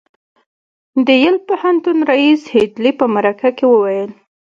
د یل پوهنتون ريیس هيډلي په مرکه کې وویل